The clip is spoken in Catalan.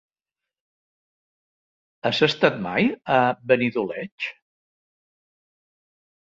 Has estat mai a Benidoleig?